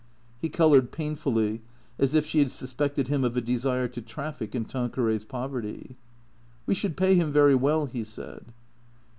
He coloured painfully as if she had suspected him of a desire to traffic in Tanquoray's poverty. " We should pay him very well," he said.